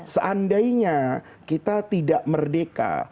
seandainya kita tidak merdeka